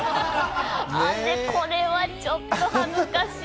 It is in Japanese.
あれ、これはちょっと恥ずかしい。